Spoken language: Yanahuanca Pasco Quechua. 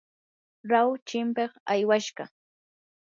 rahu chimpiq aywashqa.